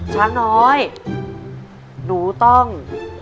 ช้างน้อยหนูต้อง